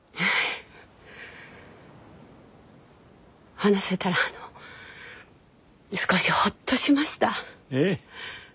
話せたらあの少しホッとしました。